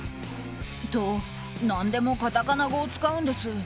と、何でもカタカナ語を使うんです。